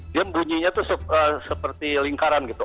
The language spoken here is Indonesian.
dia bunyinya tuh seperti lingkaran gitu